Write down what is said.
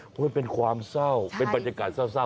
เพราะมันเป็นความเศร้าเป็นบรรยากาศเศร้า